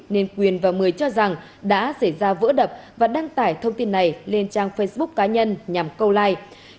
nên quyền và mười cho rằng đã xảy ra vỡ đập và đăng tải thông tin này lên trang facebook cá nhân nhằm câu like